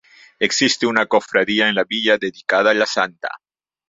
Existe una cofradía en la villa dedicada a la santa.